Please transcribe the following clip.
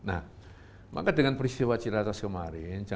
nah maka dengan peristiwa ciri ratas kemarin